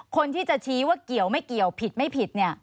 คนที่จะชี้ว่าเกี่ยวไม่เกี่ยวผิดไม่ผิดเนี่ย